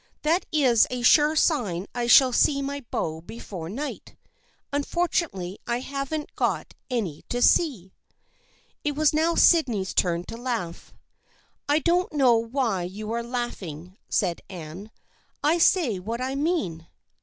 That is a sure sign I shall see my beau before night. Unfor tunately I haven't got any to see." It was now Sydney's turn to laugh. " I don't ' know why you are laughing," said Anne. " I say what I mean."